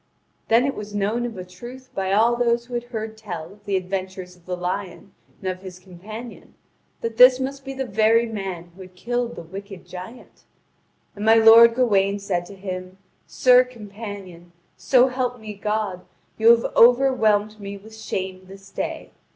Then it was known of a truth by all those who had heard tell of the adventures of the lion and of his companion that this must be the very man who had killed the wicked giant. And my lord Gawain said to him: "Sir companion, so help me God, you have overwhelmed me with shame this day.